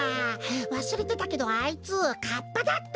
わすれてたけどあいつカッパだったってか！？